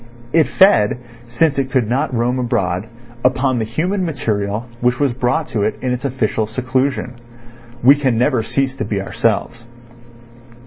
It fed, since it could not roam abroad, upon the human material which was brought to it in its official seclusion. We can never cease to be ourselves.